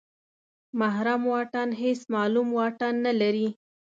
محرم واټن هېڅ معلوم واټن نلري.